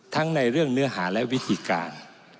ในเรื่องเนื้อหาและวิธีการ